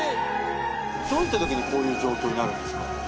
どういった時にこういう状況になるんですか？